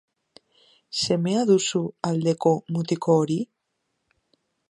Semea duzu aldeko mutiko hori?